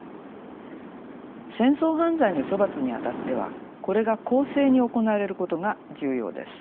戦争犯罪の処罰にあたってはこれが公正に行われることが重要です。